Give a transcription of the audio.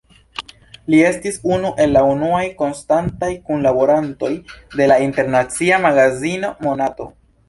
Li estis unu el la unuaj konstantaj kunlaborantoj de la internacia magazino "Monato".